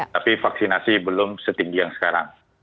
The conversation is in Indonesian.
tapi vaksinasi belum setinggi yang sekarang